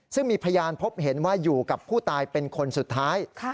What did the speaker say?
ซึ่งมีพยานพบเห็นว่าอยู่กับผู้ตายเป็นคนสุดท้าย